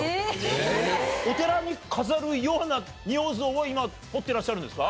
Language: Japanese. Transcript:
お寺に飾るような仁王像を今彫ってらっしゃるんですか？